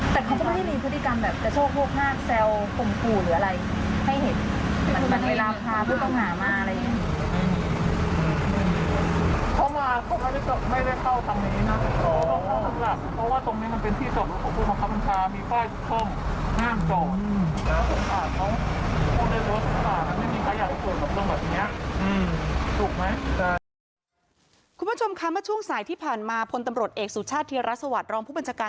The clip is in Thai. แล้วสงสารเขาพูดได้ว่าสงสารมันไม่มีไข่อย่างส่วนตำรวจแบบนี้ถูกไหม